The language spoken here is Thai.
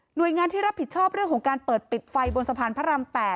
โดยงานที่รับผิดชอบเรื่องของการเปิดปิดไฟบนสะพานพระราม๘